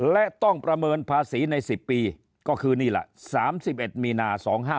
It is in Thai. และต้องประเมินภาษีใน๑๐ปีก็คือนี่แหละ๓๑มีนา๒๕๖